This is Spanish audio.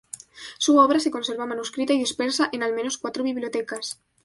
Su obra se conserva manuscrita y dispersa en, al menos, cuatro bibliotecas.